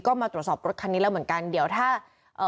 ก็มาตรวจสอบรถคันนี้แล้วเหมือนกันเดี๋ยวถ้าเอ่อ